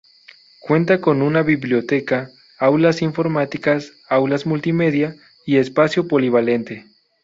Cuenta con una biblioteca, aulas informáticas, aulas multimedia y espacio polivalente.